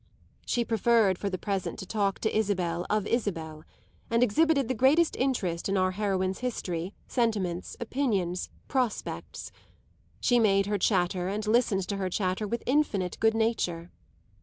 She preferred for the present to talk to Isabel of Isabel, and exhibited the greatest interest in our heroine's history, sentiments, opinions, prospects. She made her chatter and listened to her chatter with infinite good nature.